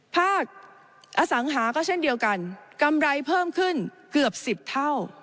ภาคอสังหาก็เช่นเดียวกันกำไรเพิ่มขึ้นเกือบ๑๐เท่า